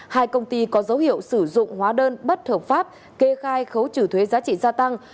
hai công ty có dấu hiệu sử dụng hóa đơn bất hợp pháp kê khai khấu trừ thuế giá trị gia tăng